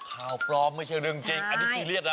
ข่าวปลอมไม่ใช่เรื่องจริงอันนี้ซีเรียสนะ